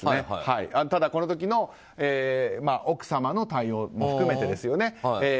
ただ、この時の奥様の対応も含めてですよね。